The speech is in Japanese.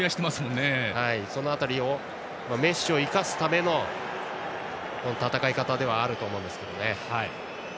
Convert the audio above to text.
その辺り、メッシを生かすための戦い方ではあると思います。